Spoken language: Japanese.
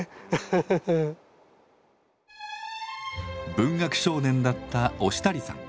文学少年だった忍足さん。